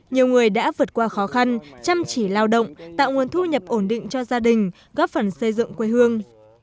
nhiều người đã vượt qua khó khăn chăm chỉ lao động tạo nguồn thu nhập ổn định cho gia đình góp phần xây dựng quê hương